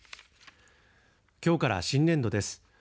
きょうから新年度です。